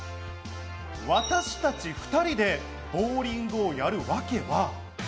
私たち２人でボウリングをやるワケは。